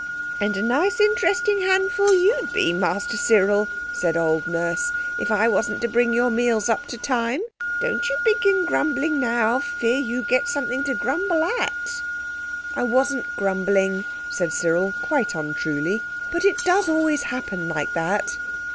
"And a nice interesting handful you'd be, Master Cyril," said old Nurse, "if I wasn't to bring your meals up to time. Don't you begin grumbling now, fear you get something to grumble at." "I wasn't grumbling," said Cyril quite untruly; "but it does always happen like that."